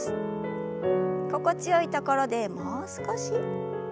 心地よいところでもう少し。